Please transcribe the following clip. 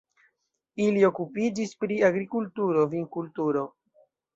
Ili okupiĝis pri agrikulturo, vinkulturo.